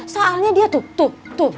soalnya dia tuh tuh tuh